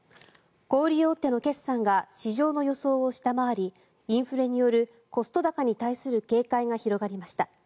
小売り大手の決算が市場の予想を下回りインフレによるコスト高に対する警戒が広がりました。